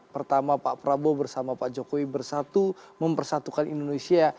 pertama pak prabowo bersama pak jokowi bersatu mempersatukan indonesia